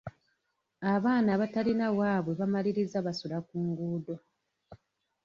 Abaana abatalina waabwe bamaliriza basula ku nguudo.